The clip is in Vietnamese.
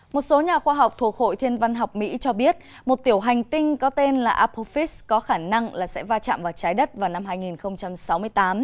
một số nhà khoa học thuộc hội thiên văn học mỹ cho biết một tiểu hành tinh có tên là apophis có khả năng là sẽ va chạm vào trái đất vào năm hai nghìn sáu mươi tám